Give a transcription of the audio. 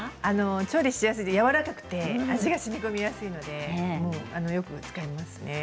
調理しやすくて味がしみこみやすいのでよく使いますね。